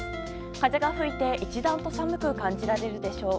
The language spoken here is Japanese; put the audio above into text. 風が吹いて一段と寒く感じられるでしょう。